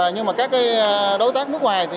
nhưng mà các đối tác nước ngoài